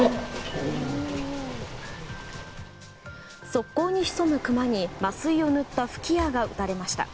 側溝に潜むクマに麻酔を塗った吹き矢が打たれました。